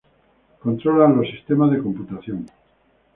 controlan los sistemas de computación